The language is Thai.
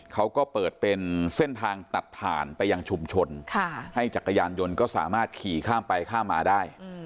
เขาก็เปิดเป็นเส้นทางตัดผ่านไปยังชุมชนให้จักรยานยนต์ก็สามารถขี่ข้ามไปข้ามมาได้